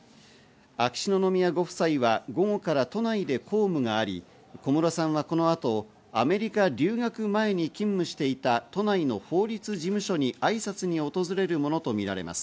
秋篠宮ご夫妻は午後から都内で公務があり、小室さんはこの後、アメリカ留学前に勤務していた都内の法律事務所に挨拶に訪れるものとみられます。